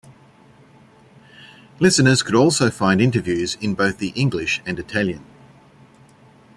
Listeners could also find interviews in both the English and Italian.